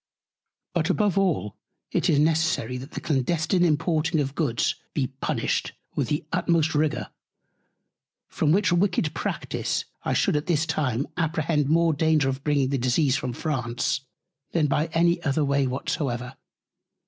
But above all it is necessary, that the Clandestine Importing of Goods be punished with the utmost Rigour; from which wicked Practice I should at this Time apprehend more Danger of bringing the Disease from France, than by any other Way whatsoever.